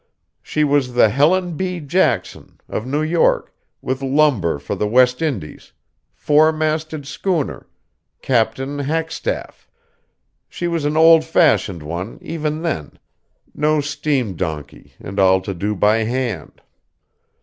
She was the Helen B. Jackson, of New York, with lumber for the West Indies, four masted schooner, Captain Hackstaff. She was an old fashioned one, even then no steam donkey, and all to do by hand.